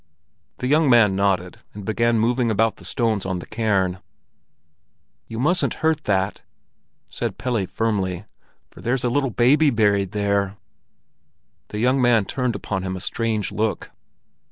The young man nodded, and began moving about the stones on the cairn. "You mustn't hurt that," said Pelle firmly, "for there's a little baby buried there." The young man turned upon him a strange look.